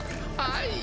はい。